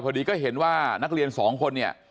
พอดีก็เห็นว่านักเรียนสองคนเนี่ย